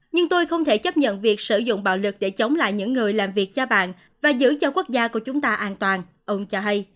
nhưng tôi không thể chấp nhận việc sử dụng bạo lực để chống lại những người làm việc cho bạn và giữ cho quốc gia của chúng ta an toàn ông cho hay